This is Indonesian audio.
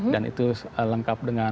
dan itu lengkap dengan